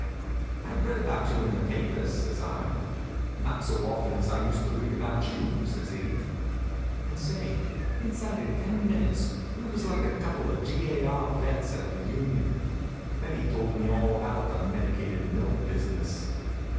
"I've read about you in the papers," says I. "Not so often as I used to read about you," says he. And say, inside of ten minutes we was like a couple of G. A. R. vets, at a reunion. Then he told me all about the medicated milk business.